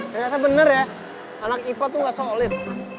ternyata bener ya anak ipa tuh gak solid